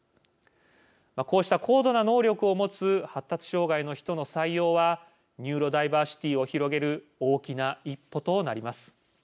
こうした高度な能力を持つ発達障害の人の採用はニューロダイバーシティを広げる大きな一歩となります。